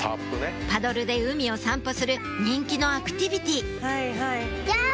パドルで海を散歩する人気のアクティビティー